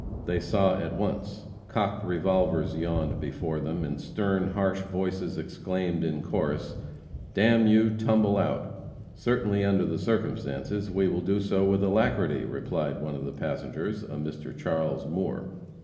They saw at once. Cocked revolvers yawned before them, and stern, harsh voices exclaimed in chorus, "D n you, tumble out!" "Certainly, under the circumstances, we will do so with alacrity," replied one of the passengers, a Mr. Charles Moore.